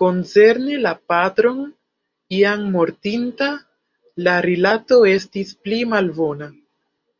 Koncerne la patron, jam mortinta, la rilato estis pli malbona.